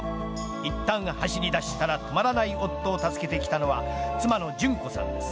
いったん走り出したら止まらない夫を助けてきたのは妻の順子さんです。